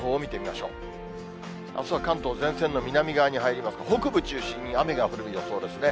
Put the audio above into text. あすは関東、前線の南側に入りますが、北部中心に雨が降る予想ですね。